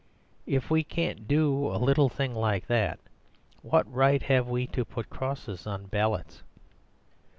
If we can't do a little thing like that, what right have we to put crosses on ballot papers?"